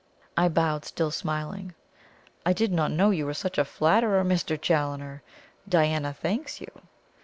I bowed, still smiling. "I did not know you were such a flatterer, Mr. Challoner! Diana thanks you!"